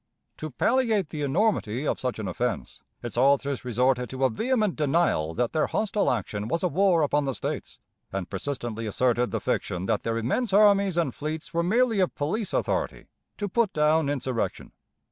To palliate the enormity of such an offense, its authors resorted to a vehement denial that their hostile action was a war upon the States, and persistently asserted the fiction that their immense armies and fleets were merely a police authority to put down insurrection.